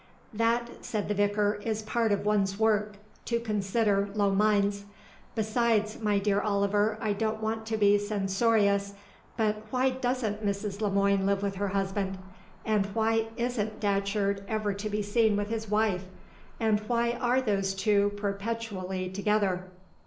"That," said the vicar, "is part of one's work, to consider low minds. Besides my dear Oliver, I don't want to be censorious but why doesn't Mrs. Le Moine live with her husband? And why isn't Datcherd ever to be seen with his wife? And why are those two perpetually together?"